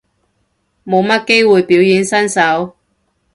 冇乜機會表演身手